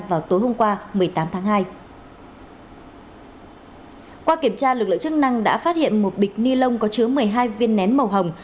sau kiểm tra lực lượng chức năng đã phát hiện một bịch ni lông có chứa một mươi hai viên nén màu hồng